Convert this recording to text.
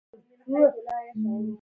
د صحت ښه حالت د کار وړتیا لوړوي.